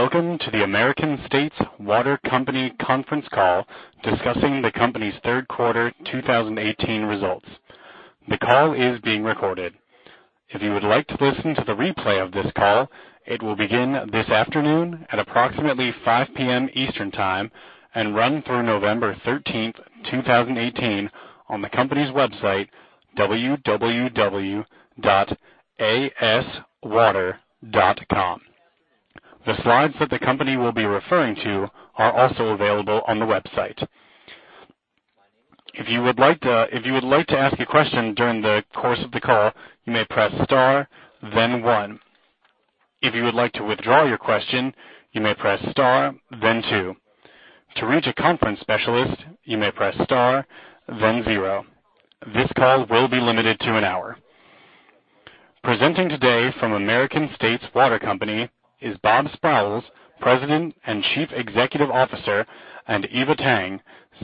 Welcome to the American States Water Company conference call discussing the company's third quarter 2018 results. The call is being recorded. If you would like to listen to the replay of this call, it will begin this afternoon at approximately 5:00 P.M. Eastern Time and run through November 13th, 2018, on the company's website, www.aswater.com. The slides that the company will be referring to are also available on the website. If you would like to ask a question during the course of the call, you may press star then one. If you would like to withdraw your question, you may press star then two. To reach a conference specialist, you may press star then zero. This call will be limited to an hour. Presenting today from American States Water Company is Bob Sprowls, President and Chief Executive Officer, and Eva Tang,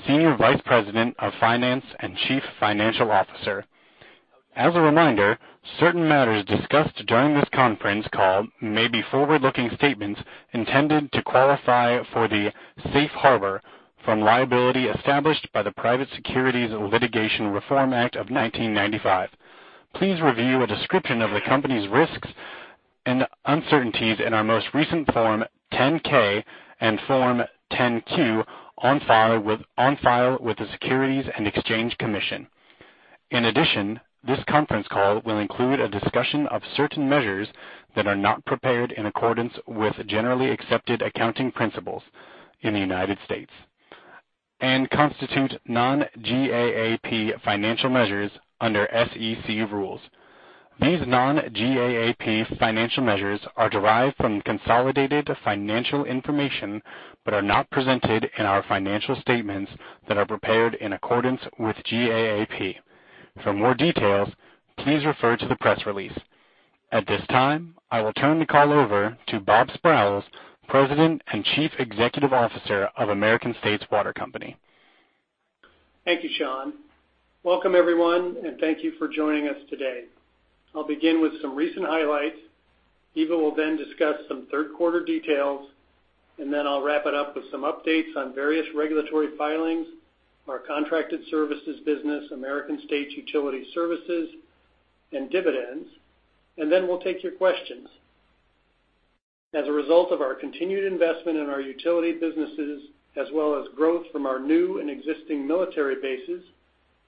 Senior Vice President of Finance and Chief Financial Officer. As a reminder, certain matters discussed during this conference call may be forward-looking statements intended to qualify for the safe harbor from liability established by the Private Securities Litigation Reform Act of 1995. Please review a description of the company's risks and uncertainties in our most recent Form 10-K and Form 10-Q on file with the Securities and Exchange Commission. In addition, this conference call will include a discussion of certain measures that are not prepared in accordance with Generally Accepted Accounting Principles in the United States and constitute non-GAAP financial measures under SEC rules. These non-GAAP financial measures are derived from consolidated financial information but are not presented in our financial statements that are prepared in accordance with GAAP. For more details, please refer to the press release. At this time, I will turn the call over to Bob Sprowls, President and Chief Executive Officer of American States Water Company. Thank you, Sean. Welcome, everyone, and thank you for joining us today. I'll begin with some recent highlights. Eva will then discuss some third quarter details, and then I'll wrap it up with some updates on various regulatory filings, our contracted services business, American States Utility Services, and dividends, and then we'll take your questions. As a result of our continued investment in our utility businesses, as well as growth from our new and existing military bases,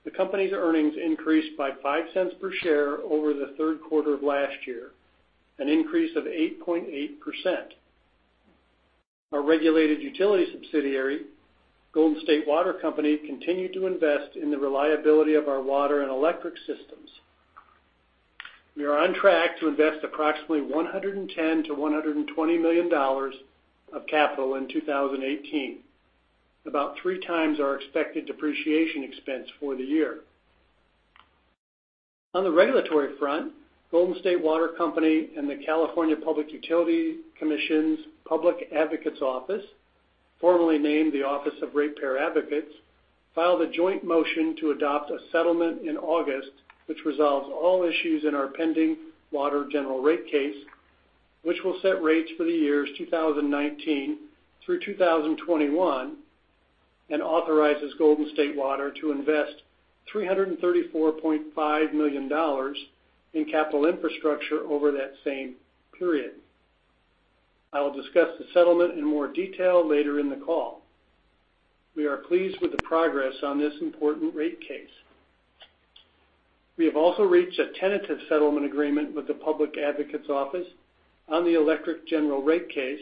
the company's earnings increased by $0.05 per share over the third quarter of last year, an increase of 8.8%. Our regulated utility subsidiary, Golden State Water Company, continued to invest in the reliability of our water and electric systems. We are on track to invest approximately $110 million-$120 million of capital in 2018, about three times our expected depreciation expense for the year. On the regulatory front, Golden State Water Company and the California Public Utilities Commission's Public Advocates Office, formerly named the Office of Ratepayer Advocates, filed a joint motion to adopt a settlement in August, which resolves all issues in our pending water general rate case, which will set rates for the years 2019 through 2021 and authorizes Golden State Water to invest $334.5 million in capital infrastructure over that same period. I will discuss the settlement in more detail later in the call. We are pleased with the progress on this important rate case. We have also reached a tentative settlement agreement with the Public Advocates Office on the electric general rate case,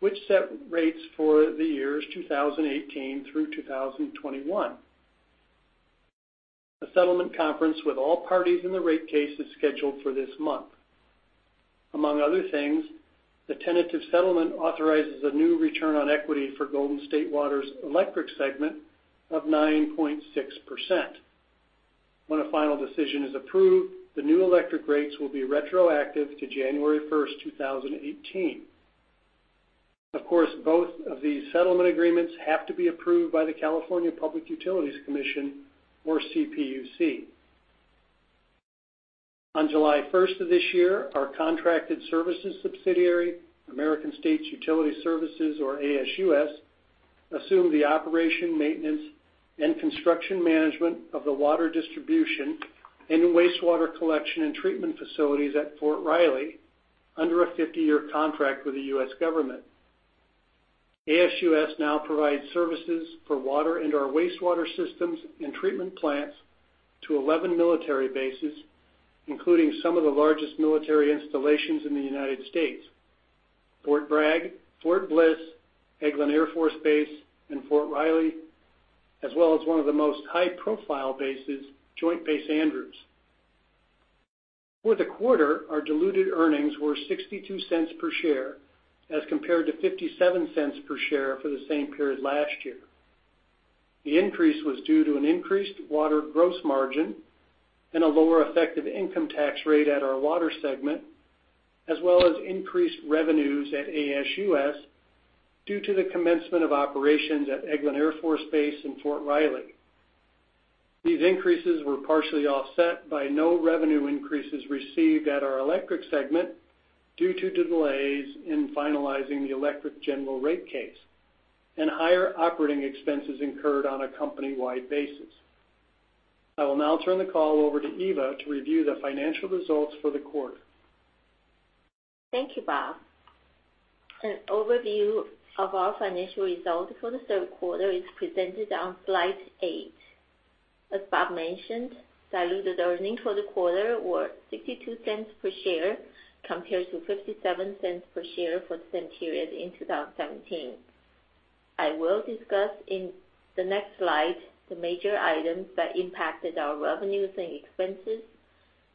which set rates for the years 2018 through 2021. A settlement conference with all parties in the rate case is scheduled for this month. Among other things, the tentative settlement authorizes a new return on equity for Golden State Water's electric segment of 9.6%. When a final decision is approved, the new electric rates will be retroactive to January 1st, 2018. Of course, both of these settlement agreements have to be approved by the California Public Utilities Commission, or CPUC. On July 1st of this year, our contracted services subsidiary, American States Utility Services, or ASUS, assumed the operation, maintenance, and construction management of the water distribution and wastewater collection and treatment facilities at Fort Riley under a 50-year contract with the U.S. government. ASUS now provides services for water and our wastewater systems and treatment plants to 11 military bases, including some of the largest military installations in the United States: Fort Bragg, Fort Bliss, Eglin Air Force Base, and Fort Riley, as well as one of the most high-profile bases, Joint Base Andrews. For the quarter, our diluted earnings were $0.62 per share as compared to $0.57 per share for the same period last year. The increase was due to an increased water gross margin and a lower effective income tax rate at our water segment, as well as increased revenues at ASUS due to the commencement of operations at Eglin Air Force Base and Fort Riley. These increases were partially offset by no revenue increases received at our electric segment due to delays in finalizing the electric general rate case and higher operating expenses incurred on a company-wide basis. I will now turn the call over to Eva to review the financial results for the quarter. Thank you, Bob. An overview of our financial results for the third quarter is presented on slide eight. As Bob mentioned, diluted earnings for the quarter were $0.62 per share, compared to $0.57 per share for the same period in 2017. I will discuss in the next slide the major items that impacted our revenues and expenses,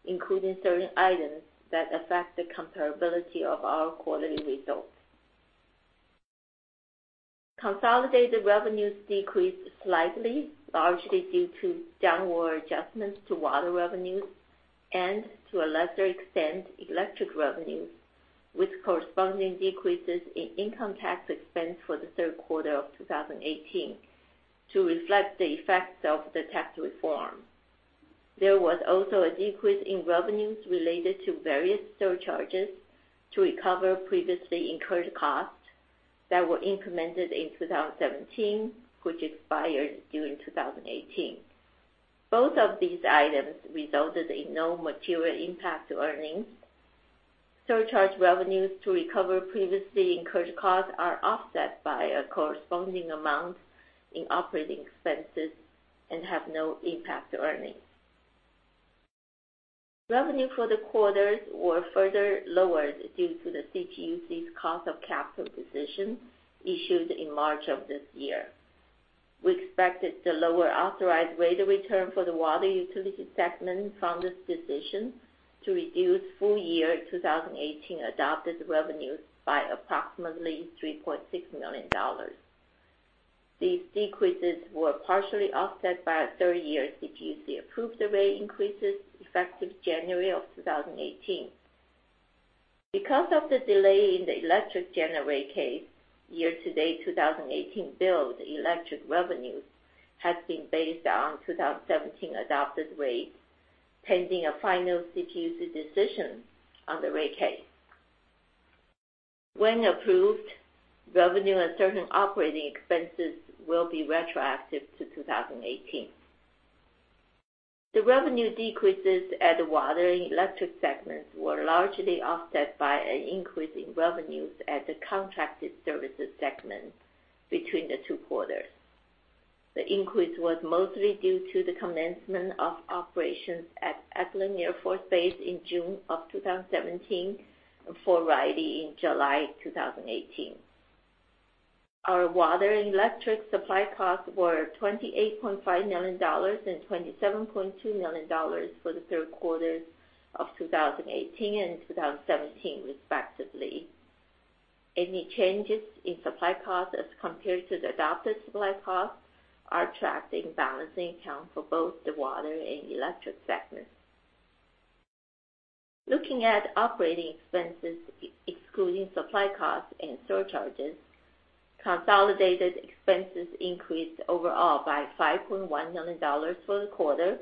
including certain items that affect the comparability of our quarterly results. Consolidated revenues decreased slightly, largely due to downward adjustments to water revenues and, to a lesser extent, electric revenues, with corresponding decreases in income tax expense for the third quarter of 2018 to reflect the effects of the tax reform. There was also a decrease in revenues related to various surcharges to recover previously incurred costs that were implemented in 2017, which expired during 2018. Both of these items resulted in no material impact to earnings. Surcharge revenues to recover previously incurred costs are offset by a corresponding amount in operating expenses and have no impact to earnings. Revenue for the quarters were further lowered due to the CPUC's cost of capital decision issued in March of this year. We expected the lower authorized rate of return for the water utility segment from this decision to reduce full year 2018 adopted revenues by approximately $3.6 million. These decreases were partially offset by a third-year CPUC-approved rate increases effective January of 2018. Because of the delay in the electric general rate case, year-to-date 2018 billed electric revenues have been based on 2017 adopted rates, pending a final CPUC decision on the rate case. When approved, revenue and certain operating expenses will be retroactive to 2018. The revenue decreases at the water and electric segments were largely offset by an increase in revenues at the contracted services segment between the two quarters. The increase was mostly due to the commencement of operations at Eglin Air Force Base in June of 2017 and Fort Riley in July 2018. Our water and electric supply costs were $28.5 million and $27.2 million for the third quarter of 2018 and 2017, respectively. Any changes in supply costs as compared to the adopted supply costs are tracked in balancing account for both the water and electric segments. Looking at operating expenses, excluding supply costs and surcharges, consolidated expenses increased overall by $5.1 million for the quarter.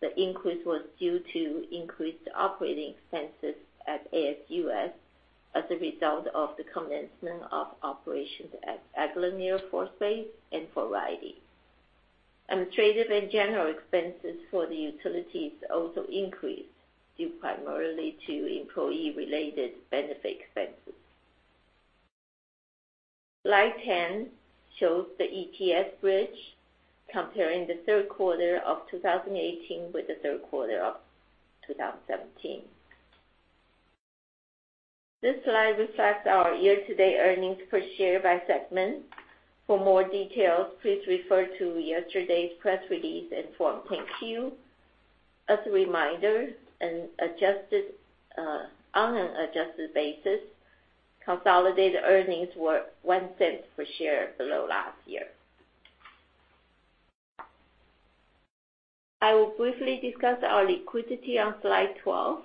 The increase was due to increased operating expenses at ASUS as a result of the commencement of operations at Eglin Air Force Base and Fort Riley. Administrative and general expenses for the utilities also increased due primarily to employee-related benefit expenses. Slide 10 shows the EPS bridge comparing the third quarter of 2018 with the third quarter of 2017. This slide reflects our year-to-date earnings per share by segment. For more details, please refer to yesterday's press release in Form 10-Q. As a reminder, on an adjusted basis, consolidated earnings were $0.01 per share below last year. I will briefly discuss our liquidity on slide 12.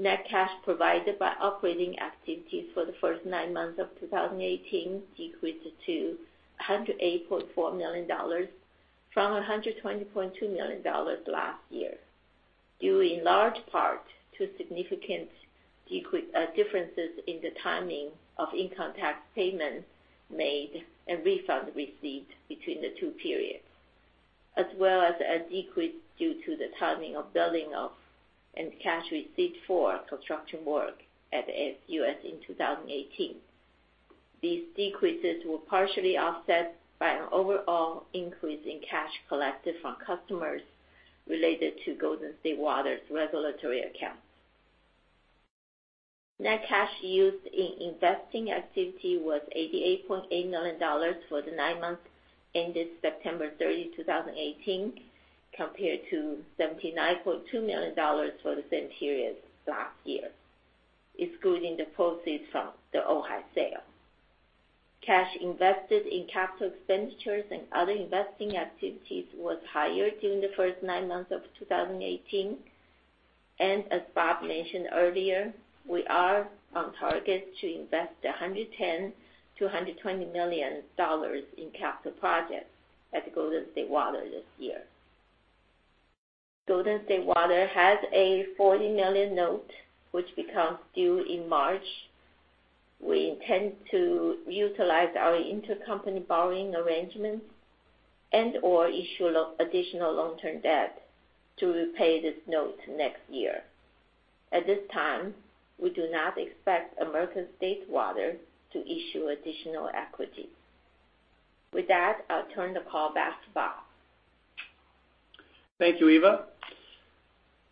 Net cash provided by operating activities for the first nine months of 2018 decreased to $108.4 million from $120.2 million last year, due in large part to significant differences in the timing of income tax payments made and refunds received between the two periods, as well as a decrease due to the timing of billing of and cash received for construction work at ASUS in 2018. These decreases were partially offset by an overall increase in cash collected from customers related to Golden State Water's regulatory accounts. Net cash used in investing activity was $88.8 million for the nine months ended September 30, 2018, compared to $79.2 million for the same period last year, excluding the proceeds from the OHI sale. Cash invested in capital expenditures and other investing activities was higher during the first nine months of 2018. As Bob mentioned earlier, we are on target to invest $110 million-$120 million in capital projects at Golden State Water this year. Golden State Water has a $40 million note which becomes due in March. We intend to utilize our intercompany borrowing arrangements and/or issue additional long-term debt to repay this note next year. At this time, we do not expect American States Water to issue additional equity. With that, I'll turn the call back to Bob. Thank you, Eva.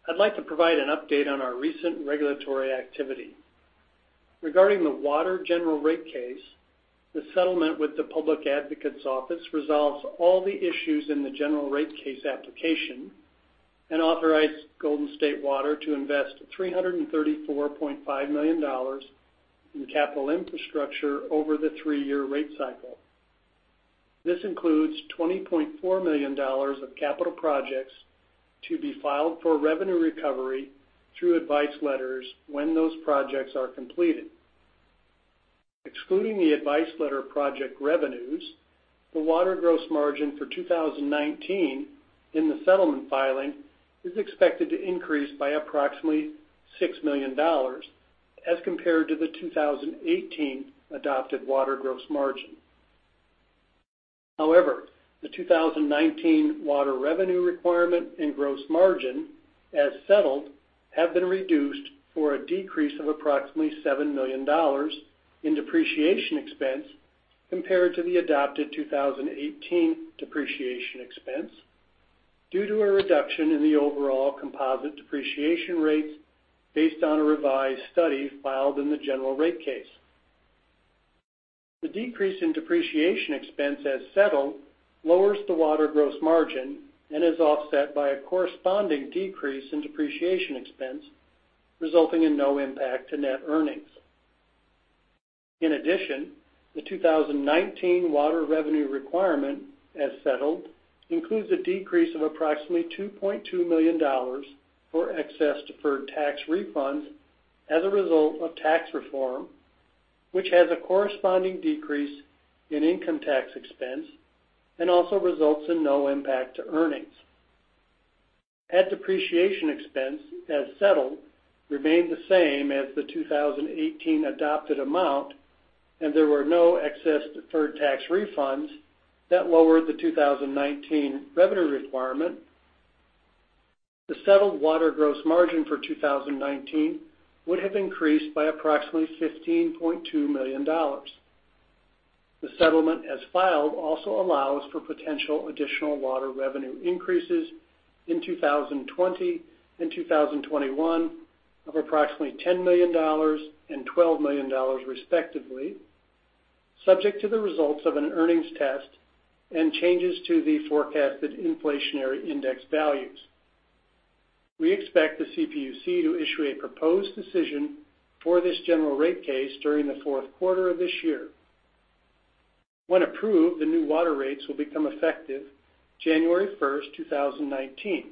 I'd like to provide an update on our recent regulatory activity. Regarding the water general rate case, the settlement with the Public Advocates Office resolves all the issues in the general rate case application and authorized Golden State Water to invest $334.5 million in capital infrastructure over the three-year rate cycle. This includes $20.4 million of capital projects to be filed for revenue recovery through advice letters when those projects are completed. Excluding the advice letter project revenues, the water gross margin for 2019 in the settlement filing is expected to increase by approximately $6 million as compared to the 2018 adopted water gross margin. However, the 2019 water revenue requirement and gross margin, as settled, have been reduced for a decrease of approximately $7 million in depreciation expense compared to the adopted 2018 depreciation expense due to a reduction in the overall composite depreciation rates based on a revised study filed in the general rate case. The decrease in depreciation expense as settled lowers the water gross margin and is offset by a corresponding decrease in depreciation expense, resulting in no impact to net earnings. In addition, the 2019 water revenue requirement, as settled, includes a decrease of approximately $2.2 million for excess deferred tax refunds as a result of tax reform, which has a corresponding decrease in income tax expense and also results in no impact to earnings. Had depreciation expense, as settled, remained the same as the 2018 adopted amount and there were no excess deferred tax refunds that lowered the 2019 revenue requirement, the settled water gross margin for 2019 would have increased by approximately $15.2 million. The settlement as filed also allows for potential additional water revenue increases in 2020 and 2021 of approximately $10 million and $12 million, respectively, subject to the results of an earnings test and changes to the forecasted inflationary index values. We expect the CPUC to issue a proposed decision for this general rate case during the fourth quarter of this year. When approved, the new water rates will become effective January 1st, 2019.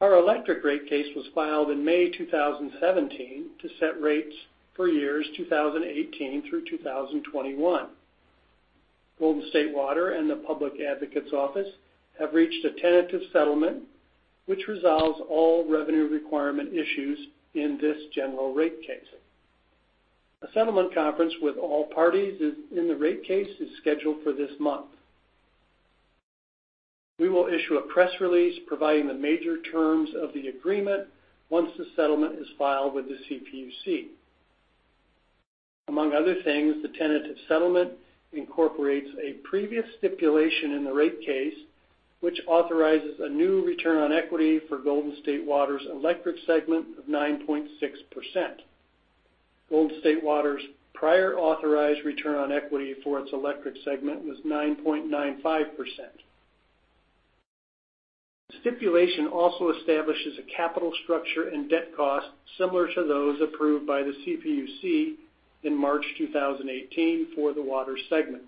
Our electric rate case was filed in May 2017 to set rates for years 2018 through 2021. Golden State Water and the Public Advocates Office have reached a tentative settlement which resolves all revenue requirement issues in this general rate case. A settlement conference with all parties in the rate case is scheduled for this month. We will issue a press release providing the major terms of the agreement once the settlement is filed with the CPUC. Among other things, the tentative settlement incorporates a previous stipulation in the rate case, which authorizes a new return on equity for Golden State Water's electric segment of 9.6%. Golden State Water's prior authorized return on equity for its electric segment was 9.95%. Stipulation also establishes a capital structure and debt cost similar to those approved by the CPUC in March 2018 for the water segment.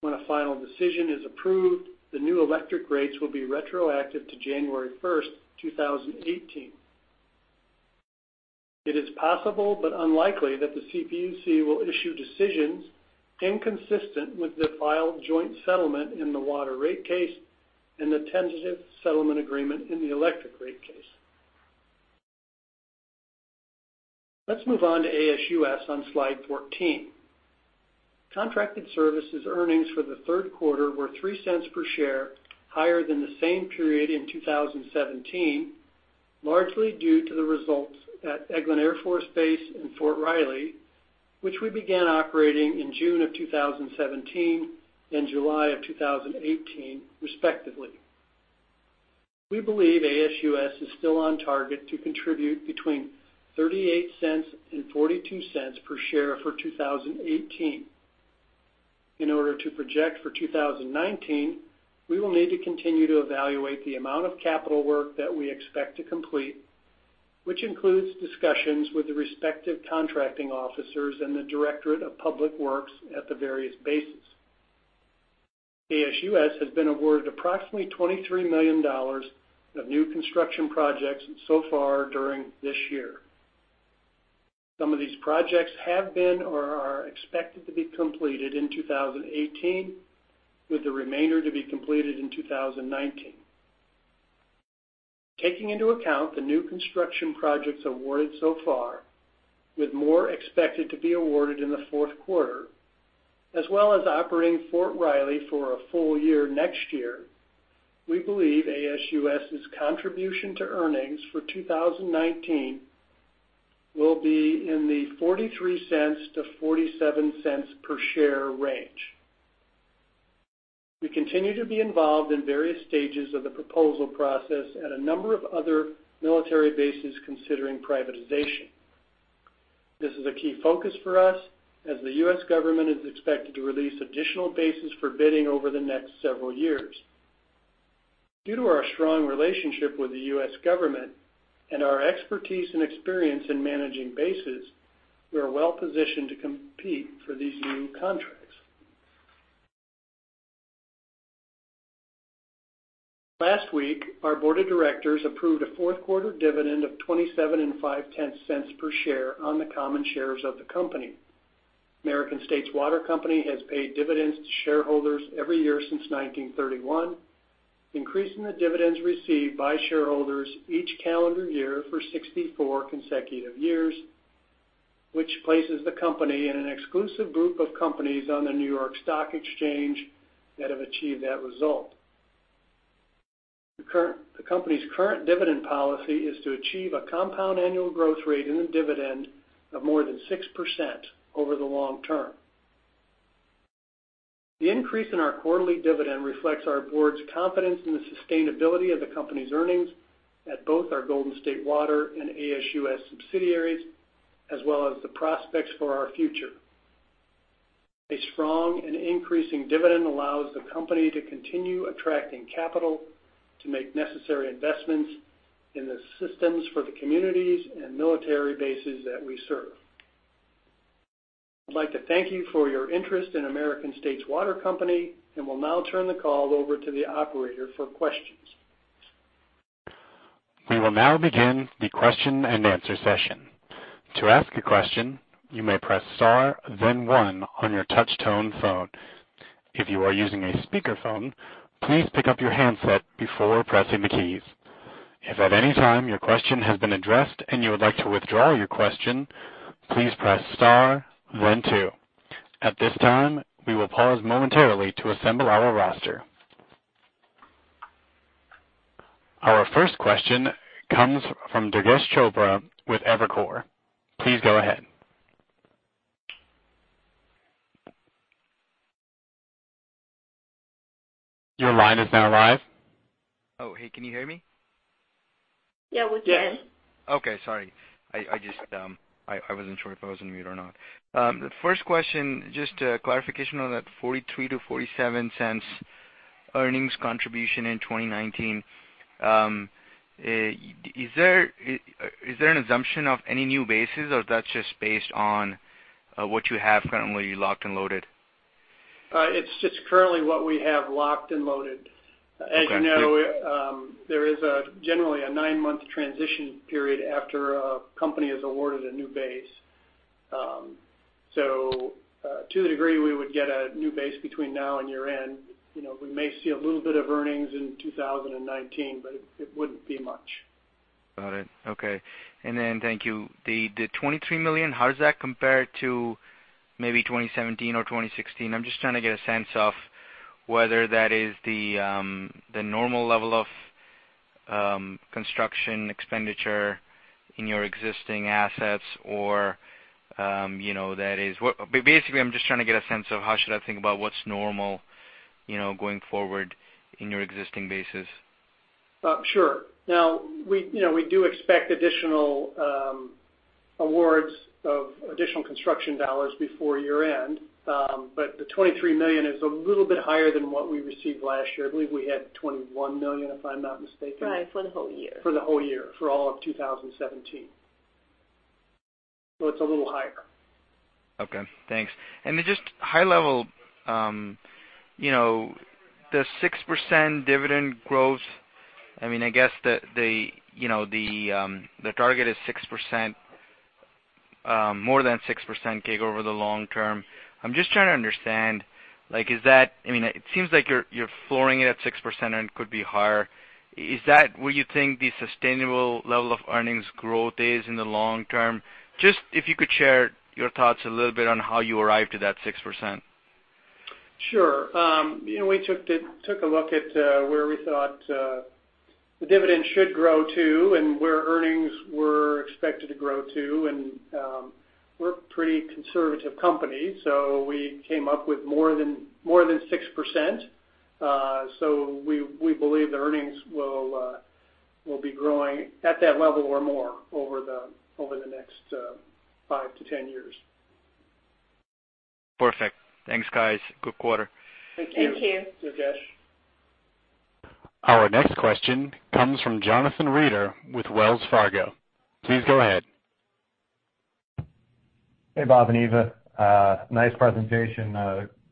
When a final decision is approved, the new electric rates will be retroactive to January 1st, 2018. It is possible, but unlikely, that the CPUC will issue decisions inconsistent with the filed joint settlement in the water rate case and the tentative settlement agreement in the electric rate case. Let's move on to ASUS on slide 14. Contracted services earnings for the third quarter were $0.03 per share higher than the same period in 2017, largely due to the results at Eglin Air Force Base and Fort Riley, which we began operating in June of 2017 and July of 2018, respectively. We believe ASUS is still on target to contribute between $0.38 and $0.42 per share for 2018. In order to project for 2019, we will need to continue to evaluate the amount of capital work that we expect to complete, which includes discussions with the respective contracting officers and the Directorate of Public Works at the various bases. ASUS has been awarded approximately $23 million of new construction projects so far during this year. Some of these projects have been or are expected to be completed in 2018, with the remainder to be completed in 2019. Taking into account the new construction projects awarded so far, with more expected to be awarded in the fourth quarter, as well as operating Fort Riley for a full year next year, we believe ASUS's contribution to earnings for 2019 will be in the $0.43-$0.47 per share range. We continue to be involved in various stages of the proposal process at a number of other military bases considering privatization. This is a key focus for us as the U.S. government is expected to release additional bases for bidding over the next several years. Due to our strong relationship with the U.S. government and our expertise and experience in managing bases, we are well positioned to compete for these new contracts. Last week, our board of directors approved a fourth-quarter dividend of $0.275 per share on the common shares of the company. American States Water Company has paid dividends to shareholders every year since 1931, increasing the dividends received by shareholders each calendar year for 64 consecutive years, which places the company in an exclusive group of companies on the New York Stock Exchange that have achieved that result. The company's current dividend policy is to achieve a compound annual growth rate in the dividend of more than 6% over the long term. The increase in our quarterly dividend reflects our board's confidence in the sustainability of the company's earnings at both our Golden State Water and ASUS subsidiaries, as well as the prospects for our future. A strong and increasing dividend allows the company to continue attracting capital to make necessary investments in the systems for the communities and military bases that we serve. I'd like to thank you for your interest in American States Water Company and will now turn the call over to the operator for questions. We will now begin the question-and-answer session. To ask a question, you may press star then one on your touch-tone phone. If you are using a speakerphone, please pick up your handset before pressing the keys. If at any time your question has been addressed and you would like to withdraw your question, please press star then two. At this time, we will pause momentarily to assemble our roster. Our first question comes from Durgesh Chopra with Evercore. Please go ahead. Your line is now live. Hey. Can you hear me? Yeah, we can. Okay, sorry. I wasn't sure if I was on mute or not. The first question, just a clarification on that $0.43-$0.47 earnings contribution in 2019. Is there an assumption of any new bases, or that's just based on what you have currently locked and loaded? It's just currently what we have locked and loaded. Okay. As you know, there is generally a nine-month transition period after a company is awarded a new base. To the degree we would get a new base between now and year-end, we may see a little bit of earnings in 2019, but it wouldn't be much. Got it. Okay. Thank you. The $23 million, how does that compare to maybe 2017 or 2016? I'm just trying to get a sense of whether that is the normal level of construction expenditure in your existing assets or that is. Basically, I'm just trying to get a sense of how should I think about what's normal going forward in your existing bases. Sure. We do expect additional awards of additional construction dollars before year-end. The $23 million is a little bit higher than what we received last year. I believe we had $21 million, if I'm not mistaken. Right, for the whole year. For the whole year, for all of 2017. It's a little higher. Okay, thanks. Just high level, the 6% dividend growth, I guess the target is 6%, more than 6% CAGR over the long term. I'm just trying to understand. It seems like you're flooring it at 6% and it could be higher. Is that where you think the sustainable level of earnings growth is in the long term? Just if you could share your thoughts a little bit on how you arrived at that 6%. Sure. We took a look at where we thought the dividend should grow to and where earnings were expected to grow to. We're a pretty conservative company. We came up with more than 6%. We believe the earnings will be growing at that level or more over the next 5-10 years. Perfect. Thanks, guys. Good quarter. Thank you. Thank you. Durgesh. Our next question comes from Jonathan Reeder with Wells Fargo. Please go ahead. Hey, Bob and Eva. Nice presentation.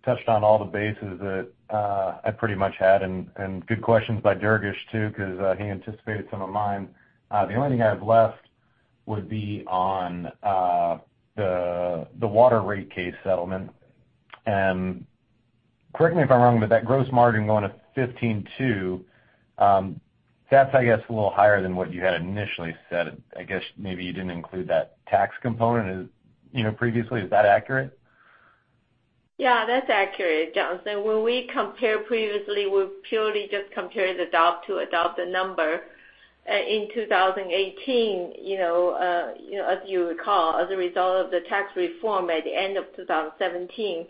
Touched on all the bases that I pretty much had, and good questions by Durgesh too, because he anticipated some of mine. The only thing I have left would be on the water rate case settlement. Correct me if I'm wrong, but that gross margin going to 15.2%, that's I guess a little higher than what you had initially said. I guess maybe you didn't include that tax component previously. Is that accurate? Yeah, that's accurate, Jonathan. When we compared previously, we purely just compared the adopted number. In 2018, as you recall, as a result of the tax reform at the end of 2017,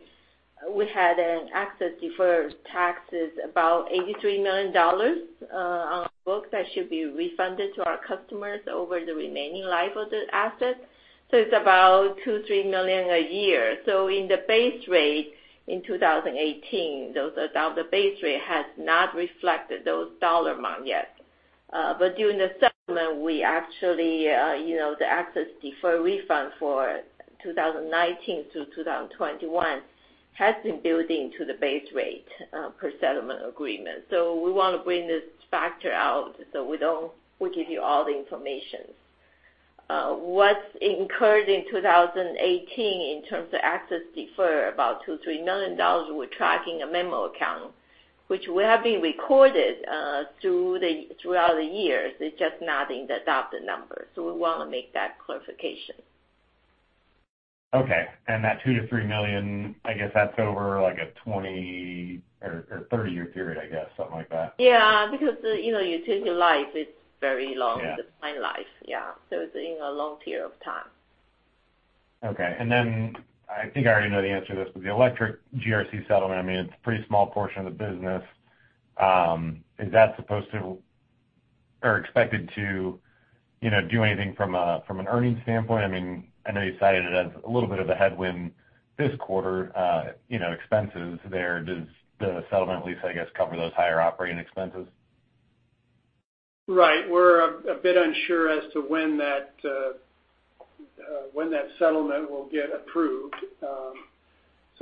we had an excess deferred taxes about $83 million on books that should be refunded to our customers over the remaining life of the asset. It's about $2 million-$3 million a year. In the base rate in 2018, those adopted base rate has not reflected those dollar amount yet. During the settlement, we actually, the excess deferred refund for 2019 to 2021 has been building to the base rate per settlement agreement. We want to bring this factor out so we give you all the information. What's incurred in 2018 in terms of excess defer, about $2 million-$3 million, we're tracking a memo account, which will have been recorded throughout the year. It's just not in the adopted number. We want to make that clarification. Okay. That $2 million-$3 million, I guess that's over like a 20 or 30-year period, I guess, something like that. Yeah. Utility life is very long. Yeah. It's a long life. Yeah. It's in a long period of time. Okay. I think I already know the answer to this, but the electric GRC settlement, it's a pretty small portion of the business. Is that supposed to or expected to do anything from an earnings standpoint? I know you cited it as a little bit of a headwind this quarter, expenses there. Does the settlement at least, I guess, cover those higher operating expenses? Right. We're a bit unsure as to when that settlement will get approved.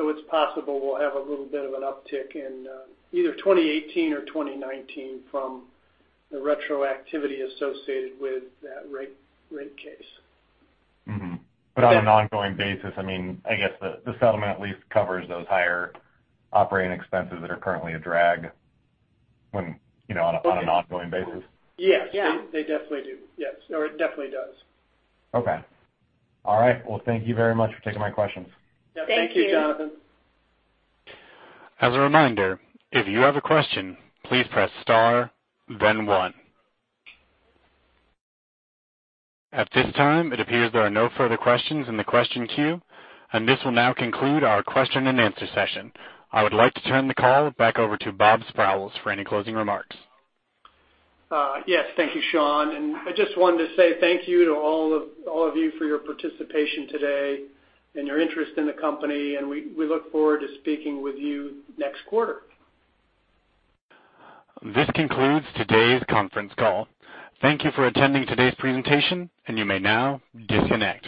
It's possible we'll have a little bit of an uptick in either 2018 or 2019 from the retroactivity associated with that rate case. On an ongoing basis, I guess the settlement at least covers those higher operating expenses that are currently a drag on an ongoing basis. Yes. Yeah. They definitely do. Yes. No, it definitely does. Okay. All right. Well, thank you very much for taking my questions. Thank you. Yeah. Thank you, Jonathan. As a reminder, if you have a question, please press star then one. At this time, it appears there are no further questions in the question queue, and this will now conclude our question and answer session. I would like to turn the call back over to Bob Sprowls for any closing remarks. Yes. Thank you, Sean. I just wanted to say thank you to all of you for your participation today and your interest in the company, we look forward to speaking with you next quarter. This concludes today's conference call. Thank you for attending today's presentation, you may now disconnect.